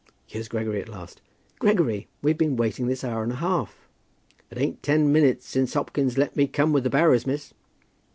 Here's Gregory at last. Gregory, we've been waiting this hour and a half." "It ain't ten minutes since Hopkins let me come with the barrows, miss."